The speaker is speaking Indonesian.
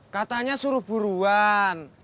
katanya suruh buruan